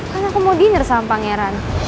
kan aku mau dinir sama pangeran